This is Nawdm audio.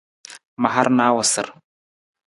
Ma haru na awusar.